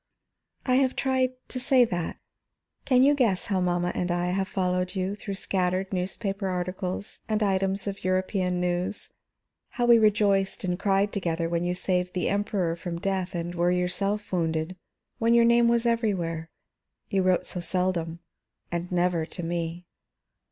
"I have tried to say that. Can you guess how mamma and I have followed you through scattered newspaper articles and items of European news? How we rejoiced and cried together when you saved the Emperor from death and were yourself wounded, when your name was everywhere? You wrote so seldom, and never to me."